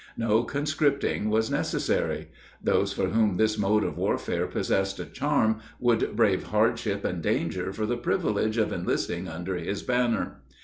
No conscripting was necessary. Those for whom this mode of warfare possessed a charm would brave hardship and danger for the privilege of enlisting under his banner.